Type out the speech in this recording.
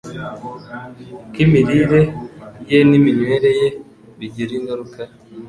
ko imirire ye n’iminywere ye bigira ingaruka